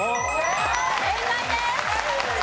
正解です！